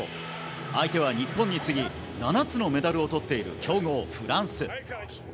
相手は日本に次ぎ７つのメダルをとっている強豪フランス。